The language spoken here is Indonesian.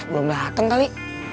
belum dateng kali